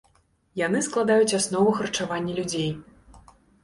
Яны складаюць аснову харчавання людзей.